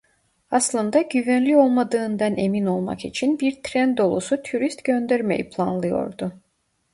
Aslında güvenli olmadığından emin olmak için bir tren dolusu turist göndermeyi planlıyordu.